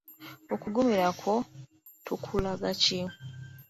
Okuggumira kwo tukulaga ki?